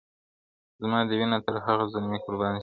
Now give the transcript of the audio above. زما دي وینه تر هغه زلمي قربان سي.